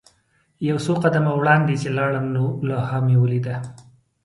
یو څو قدمه وړاندې چې لاړم نو لوحه مې ولیدله.